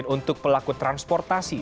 untuk pelaku transportasi